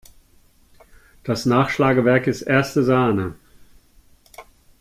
Das Nachschlagewerk ist erste Sahne!